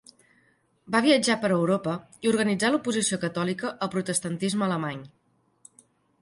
Va viatjar per Europa i organitzà l'oposició catòlica al protestantisme alemany.